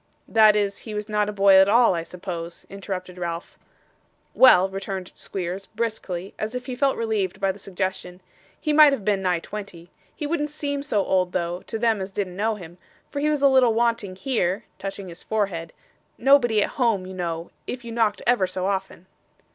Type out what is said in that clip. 'That is, he was not a boy at all, I suppose?' interrupted Ralph. 'Well,' returned Squeers, briskly, as if he felt relieved by the suggestion, 'he might have been nigh twenty. He wouldn't seem so old, though, to them as didn't know him, for he was a little wanting here,' touching his forehead; 'nobody at home, you know, if you knocked ever so often.